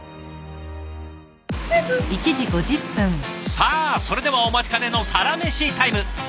さあそれではお待ちかねのサラメシタイム！